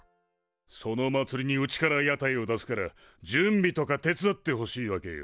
そのまつりにうちから屋台を出すから準備とか手伝ってほしいわけよ。